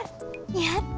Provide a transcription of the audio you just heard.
やった！